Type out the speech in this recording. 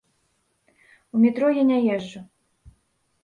У метро я не езджу.